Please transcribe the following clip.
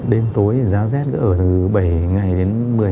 đêm tối giá rét ở từ bảy ngày đến một mươi ngày